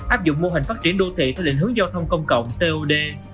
áp dụng mô hình phát triển đô thị theo định hướng giao thông công cộng tod